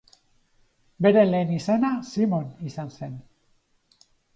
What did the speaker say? Bere lehen izena Simon izan zen.